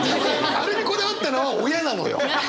あれにこだわったのは親なのよ！